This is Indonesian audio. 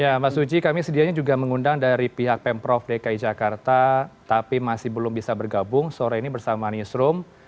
ya mbak suci kami sedianya juga mengundang dari pihak pemprov dki jakarta tapi masih belum bisa bergabung sore ini bersama newsroom